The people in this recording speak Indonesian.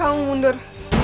aku mau mundur